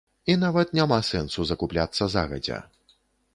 І нават няма сэнсу закупляцца загадзя.